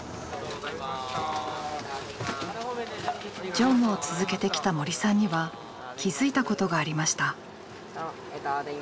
乗務を続けてきた森さんには気付いたことがありました。